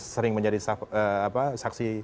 sering menjadi saksi